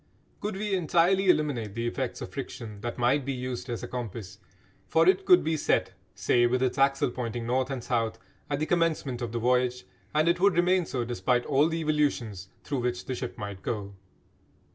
Could we entirely eliminate the effects of friction that might be used as a compass, for it could be set, say with its axle pointing north and south, at the commencement of the voyage, and it would remain so despite all the evolutions through which the ship might go.